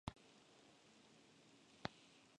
Es un tablero fácil, apto para principiantes.